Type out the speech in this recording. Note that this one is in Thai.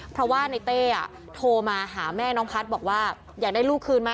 เพราะว่าในเต้โทรมาหาแม่น้องพัฒน์บอกว่าอยากได้ลูกคืนไหม